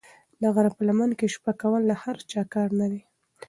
د غره په لمن کې شپه کول د هر چا کار نه دی.